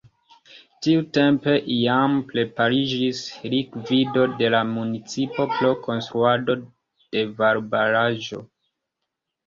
Tiutempe jam prepariĝis likvido de la municipo pro konstruado de valbaraĵo.